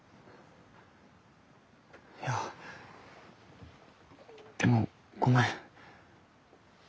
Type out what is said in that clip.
いやでもごめん。